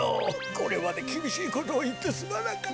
これまできびしいことをいってすまなかった。